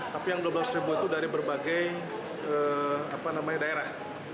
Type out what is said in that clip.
tapi yang dua belas ribu itu dari berbagai daerah